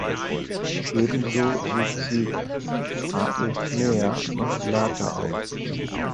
Ebenso sucht sie "Aechmea maculata" auf.